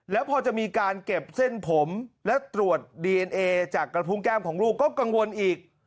แล้วพอจะมีการเก็บเส้นผมและตรวจดีเอ็นเอจากกระพุงแก้มของลูกก็กังวลอีก